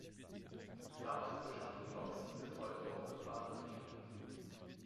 Die damals beschafften Loks sind heute noch im Planbetrieb.